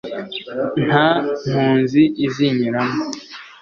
nta mpunzi izinyuramo